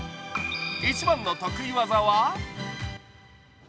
一番の得意技は？